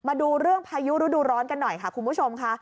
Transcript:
มาดูเรื่องพายุฤดูร้อนกันหน่อยค่ะคุณผู้ชมค่ะ